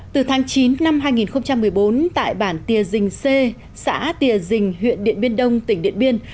từ tháng chín năm hai nghìn một mươi bốn tại bản tìa dình c xã tìa dình huyện điện biên đông tỉnh điện biên